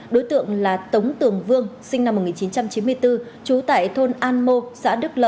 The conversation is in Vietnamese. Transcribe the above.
đối tượng là tống tường vương sinh năm một nghìn chín trăm chín mươi bốn trú tại thôn an mô xã đức lợi